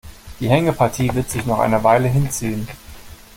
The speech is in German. Die Hängepartie wird sich noch eine Weile hinziehen.